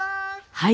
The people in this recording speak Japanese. はい！